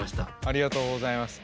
ありがとうございます。